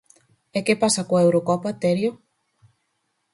E que pasa coa Eurocopa, Terio?